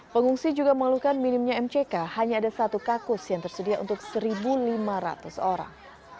pengungsi juga mengeluhkan minimnya mck hanya ada satu kakus yang tersedia untuk satu lima ratus orang